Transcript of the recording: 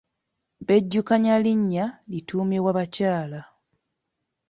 Bejjukanya linnya lituumibwa bakyala.